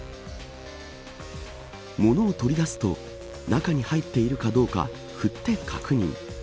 物を取り出すと中に入っているかどうか振って確認。